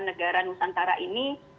negara nusantara ini